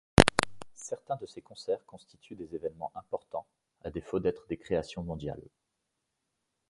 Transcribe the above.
Certains de ses concerts constituent des événements importants, à défaut d'être des créations mondiales.